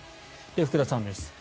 福田さんです。